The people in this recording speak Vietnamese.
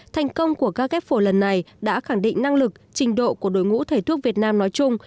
thành công của ca ghép phổi lần này đã khẳng định năng lực trình độ của đội ngũ thầy thuốc việt nam nói chung